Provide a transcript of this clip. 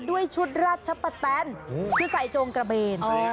ด้วยชุดราชปะแตนคือใส่โจงกระเบน